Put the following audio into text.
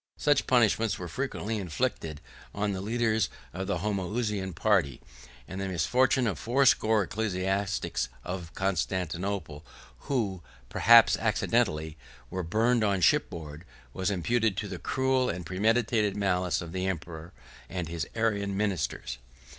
Such punishments were frequently inflicted on the leaders of the Homoousian party; and the misfortune of fourscore ecclesiastics of Constantinople, who, perhaps accidentally, were burned on shipboard, was imputed to the cruel and premeditated malice of the emperor, and his Arian ministers.